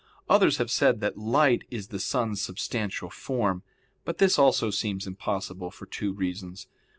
Others have said that light is the sun's substantial form, but this also seems impossible for two reasons.